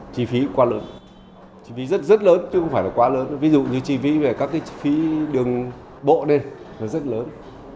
chi phí quá lớn chi phí rất rất lớn chứ không phải là quá lớn ví dụ như chi phí về các cái chi phí đường bộ đây là rất lớn